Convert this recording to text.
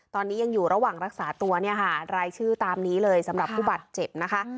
ตอนนี้ยังอยู่ระหว่างรักษาตัวเนี่ยค่ะรายชื่อตามนี้เลยสำหรับผู้บาดเจ็บนะคะ